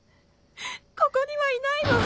ここにはいないわ。